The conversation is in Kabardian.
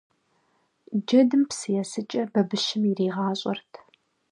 Джэдым псы есыкӀэ бабыщым иригъащӀэрт.